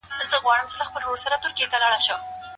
تاسي باید د خپلو همسایه ګانو حقونه وپېژنئ.